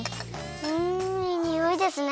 うんいいにおいですね。